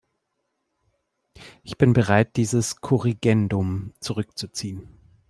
Ich bin bereit, dieses Korrigendum zurückzuziehen.